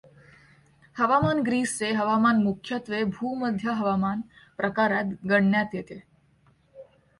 हवामान ग्रीसचे हवामान मुख्यत्वे भूमध्य हवामान प्रकारात गणण्यात येते.